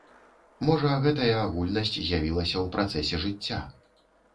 Можа гэтая агульнасць з'явілася ў працэсе жыцця.